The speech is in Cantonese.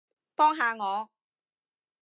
幫下我